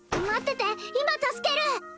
待ってて今助ける。